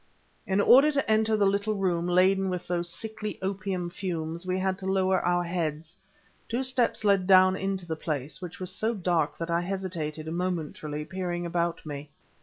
In order to enter the little room laden with those sickly opium fumes we had to lower our heads. Two steps led down into the place, which was so dark that I hesitated, momentarily, peering about me.